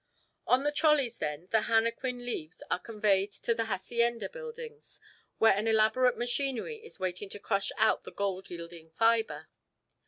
On the trolleys, then, the henequen leaves are conveyed to the hacienda buildings, where an elaborate machinery is waiting to crush out the gold yielding fibre.